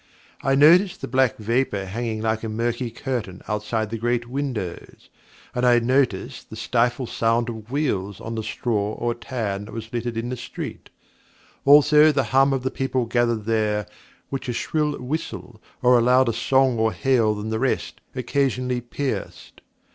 I noticed the black vapour hanging like a murky curtain outside the great windows, and I noticed the stifled sound of wheels on the straw or tan that was littered in the street; also, the hum of the people gathered there, which a shrill whistle, or a louder song or hail than the rest, occasionally pierced.